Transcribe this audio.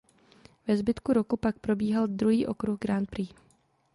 Ve zbytku roku pak probíhal druhý okruh Grand Prix.